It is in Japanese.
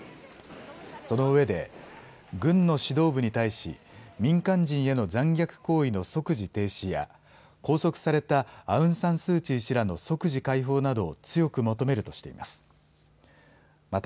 そのうえで軍の指導部に対し民間人への残虐行為の即時停止や、拘束されたアウン・サン・スー・チー氏らの即時解放などを強く求めるとしています。